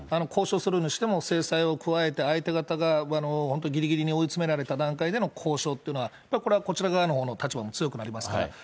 交渉するにしても、制裁を加えて、相手方が本当、ぎりぎりに追い詰められた段階での交渉というのは、これはこちら側の立場も強くなりますから。